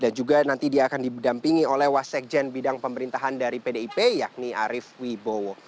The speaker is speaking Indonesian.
dan juga nanti dia akan didampingi oleh wasekjen bidang pemerintahan dari pdip yakni arief wibowo